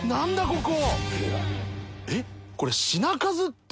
ここ！